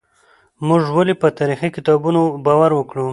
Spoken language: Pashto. موږ ولې په تاريخي کتابونو باور وکړو؟